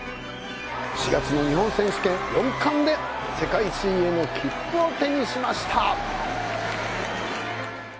４月の日本選手権４冠で世界水泳の切符を手にしました